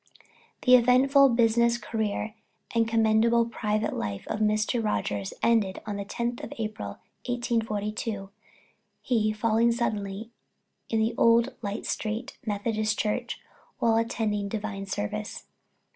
The eventful business career and commendable private life of Mr. Rogers ended on the 10th of April, 1842, he falling suddenly in the old Light street Methodist Church while attending divine service.